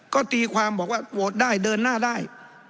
ก็ตีความบอกว่าโหวตได้เดินหน้าได้